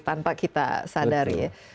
tanpa kita sadari ya